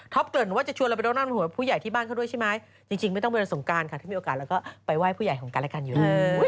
ทักคนว่าจะชวนเราไปรถน้ำดำหัวผู้ใหญ่ที่บ้านเขาด้วยใช่ไหมจริงไม่ต้องไปสงการค่ะถ้ามีโอกาสเราก็ไปว่ายผู้ใหญ่ของกันและกันอยู่